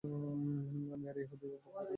আমি আর এই ইহুদীর বকবকানি শুনব না।